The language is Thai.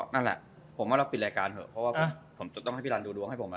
นั่นแหละเราปิดรายการเถอะเพราะว่าไม่ช่วยพี่ระร้าลดูดัวก่ายังงมันอ่ะ